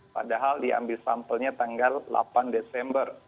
padahal diambil sampelnya tanggal delapan desember